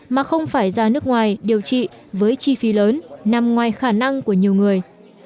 mà không phải ra nước ngoài điều trị với chi phí lớn nằm ngoài khả năng của nhiều người